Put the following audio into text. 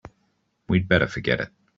We'd better forget it.